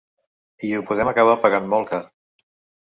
I ho podem acabar pagant molt car.